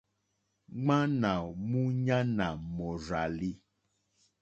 Ŋmánà múɲánà mòrzàlì.